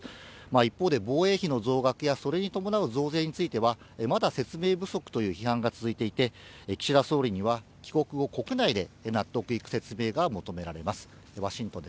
一方で、防衛費の増額やそれに伴う増税については、まだ説明不足という批判が続いていて、岸田総理には帰国後、国内で納得いく説明が求められます。